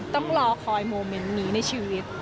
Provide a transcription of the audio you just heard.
ต้องรอคอยเมื่อมีในชีวิต